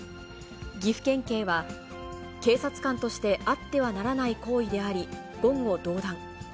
岐阜県警は、警察官としてあってはならない行為であり、言語道断。